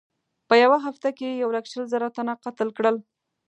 په یوه هفته کې یې یو لک شل زره تنه قتل کړل.